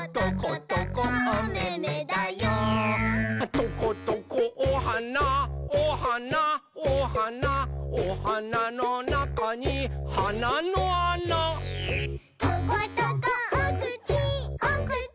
「トコトコおはなおはなおはなおはなのなかにはなのあな」「トコトコおくちおくち